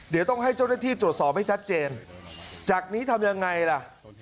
เดี๋ยวต้องให้เจ้าหน้าที่ตรวจสอบให้ชัดเจนจากนี้ทำยังไงล่ะ